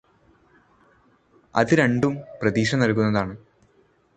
അത് രണ്ടും പ്രതീക്ഷ നല്കുന്നതാണ്